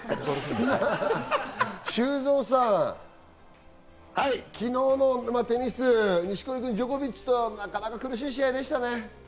修造さん、昨日のテニス・錦織くん、ジョコビッチとなかなか苦しい試合でしたね。